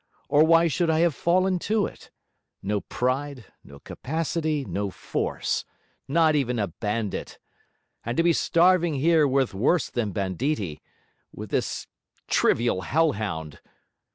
Or why should I have fallen to it? No pride, no capacity, no force. Not even a bandit! and to be starving here with worse than banditti with this trivial hell hound!'